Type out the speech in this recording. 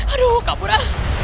aduh kak pura